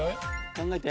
考えて。